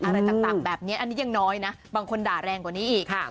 อะไรต่างแบบนี้อันนี้ยังน้อยนะบางคนด่าแรงกว่านี้อีกค่ะ